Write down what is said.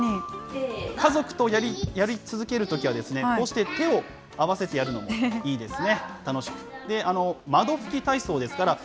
家族とやり続けるときは、こうして手を合わせてやるのもいいですね。